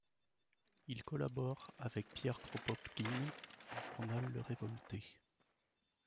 Il collabore avec Pierre Kropotkine au journal Le Révolté.